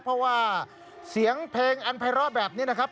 เพราะว่าเสียงเพลงอันภัยร้อแบบนี้นะครับ